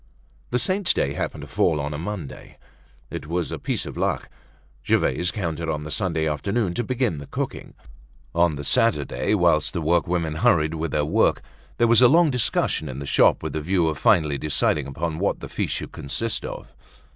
The saint's day happened to fall on a Monday. It was a piece of luck. Gervaise counted on the Sunday afternoon to begin the cooking. On the Saturday, whilst the workwomen hurried with their work, there was a long discussion in the shop with the view of finally deciding upon what the feast should consist of.